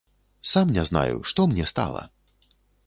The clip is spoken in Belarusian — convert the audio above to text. Сам не знаю, што мне стала?